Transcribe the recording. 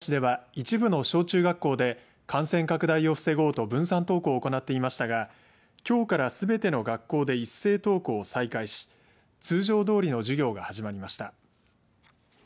福山市では一部の小中学校で感染拡大を防ごうと分散登校を行っていましたがきょうからすべての学校で一斉登校を再開し通常どおりの授業が始まりました。